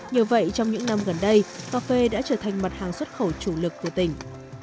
nhờ vậy trong những năm gần đây cà phê đã trở thành mặt hàng xuất khẩu chủ lực của tỉnh